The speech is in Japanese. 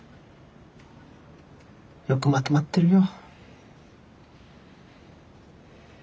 よくまとまってるよ。